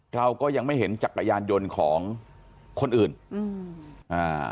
เราก็ยังไม่เห็นจักรยานยนต์ของคนอื่นอืมอ่า